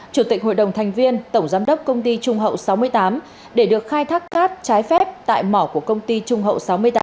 chủ tịch hội đồng thành viên tổng giám đốc công ty trung hậu sáu mươi tám để được khai thác cát trái phép tại mỏ của công ty trung hậu sáu mươi tám